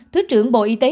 thứ trưởng bộ y tế